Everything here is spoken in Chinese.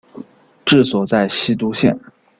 治所在西都县。